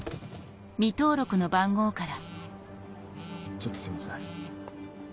ちょっとすいません。